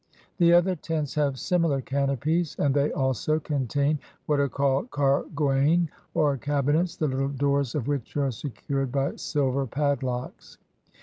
The other tents have similar canopies, and they also contain what are called karguain, or cabinets, the little doors of which are secured by silver padlocks.